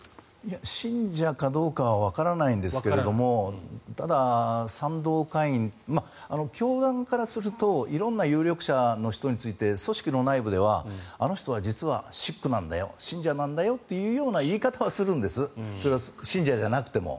信者かどうかはわからないんですけどもただ、賛同会員教団からすると色んな有力者の人について組織の内部ではあの人は実は食口なんだよ信者なんだよという言い方はするんです信者じゃなくても。